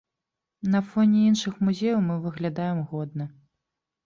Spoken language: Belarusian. На фоне іншых музеяў мы выглядаем годна!